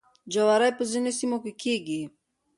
جواری په ځینو سیمو کې کیږي.